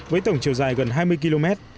với tổng chiều dài gần hai mươi km